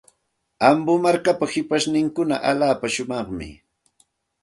Ambo markapa shipashninkuna allaapa shumaqmi.